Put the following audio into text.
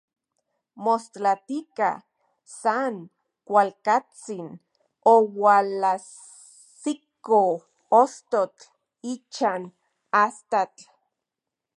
Mostlatika, san kualkantsin oualajsiko ostotl ichan astatl.